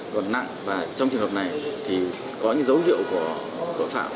còn nặng và trong trường hợp này thì có những dấu hiệu của tội phạm